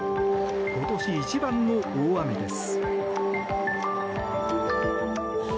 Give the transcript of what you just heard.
今年一番の大雨です。